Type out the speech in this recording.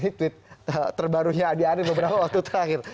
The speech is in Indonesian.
ini tweet terbarunya andi arief beberapa waktu terakhir